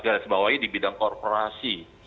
garis bawahi di bidang korporasi